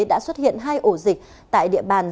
đã xuất hiện hai ổ dịch tại địa bàn